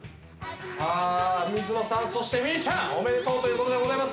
さあ水野さんそしてみーちゃんおめでとうという事でございます。